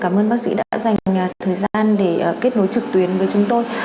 cảm ơn bác sĩ đã dành thời gian để kết nối trực tuyến với chúng tôi